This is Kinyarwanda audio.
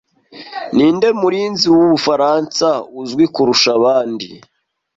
Ninde Murinzi wubufaransa uzwi kurusha abandi